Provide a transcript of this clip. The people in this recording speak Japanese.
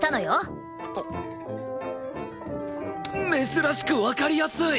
珍しくわかりやすい！